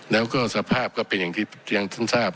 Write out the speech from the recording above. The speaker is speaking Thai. แล้วก็สภาพก็เป็นอย่างที่ทราบ